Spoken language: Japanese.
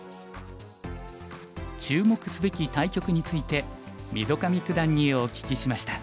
注目すべき対局について溝上九段にお聞きしました。